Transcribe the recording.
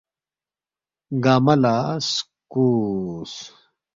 گنگمہ لہ سکوس